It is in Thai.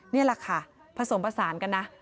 นี่แหละค่ะผสมผสานกันนะ